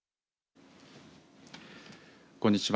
こんにちは。